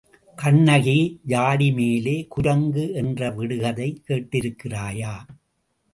கண்ணகி, ஜாடிமேலே குரங்கு என்ற விடுகதை கேட்டிருக்கிறாயா?